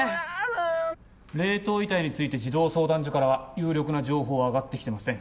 冷凍遺体について児童相談所からは有力な情報は上がって来てません。